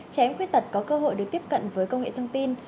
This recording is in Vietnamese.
trẻ em khuyết tật có cơ hội được tiếp cận với công nghệ thông tin